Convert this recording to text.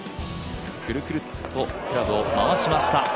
くるくるっとクラブを回しました。